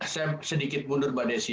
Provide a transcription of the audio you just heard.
saya sedikit mundur mbak desi